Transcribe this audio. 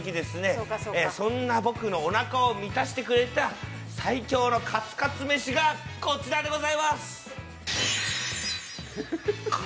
そんな僕のおなかを満たしてくれた最強のカツカツ飯がこちらでございます。